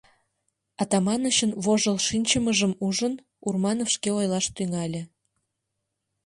Атаманычын вожыл шинчымыжым ужын, Урманов шке ойлаш тӱҥале: